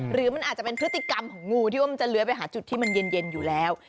หรือมันอาจจะเป็นพฤติกรรมของงูที่ว่ามันจะเลื้อยไปหาจุดที่มันเย็นอยู่แล้ว